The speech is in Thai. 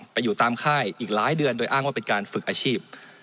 ไปอยู่ตามค่ายอีกหลายเดือนโดยอ้างว่าเป็นการฝึกอาชีพ